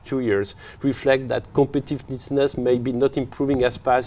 tôi chắc chắn rằng